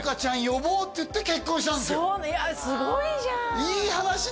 呼ぼうっていって結婚したんですよいやすごいじゃん！